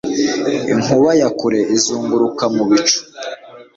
Inkuba ya kure izunguruka mu bicu